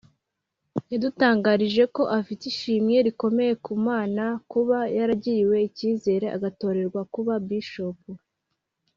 yadutangarije ko afite ishimwe rikomeye ku Mana kuba yagiriwe icyizere agatorerwa kuba Bishop